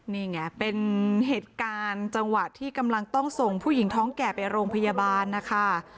นี่ไงเป็นเหตุการณ์จังหวะที่กำลังต้องส่งผู้หญิงท้องแก่ไปโรงพยาบาลนะคะ